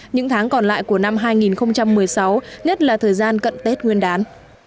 những tháng còn lại của năm hai nghìn một mươi sáu nhất là thời gian cận tết nguyên đán